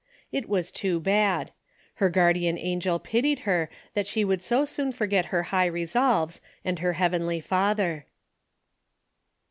It was too bad. Her guardian angel pitied her that she could so soon forget her high re soHes, and her heavenly Father.